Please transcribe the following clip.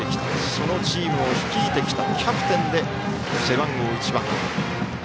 そのチームを率いてきたキャプテンで背番号１番。